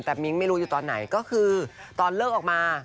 แต่มิ้งไม่รู้อยู่ตอนไหนก็คือตอนเลิกออกมา